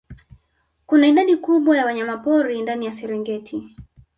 Kuna idadi kubwa ya wanyamapori ndani ya Serengeti